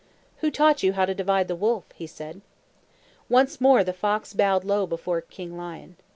"Who taught you how to divide the wolf?" he said. Once more the fox bowed low before King Lion.